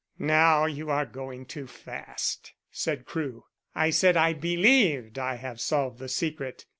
"Now you are going too fast," said Crewe. "I said I believed I have solved the secret.